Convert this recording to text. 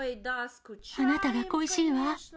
あなたが恋しいわ。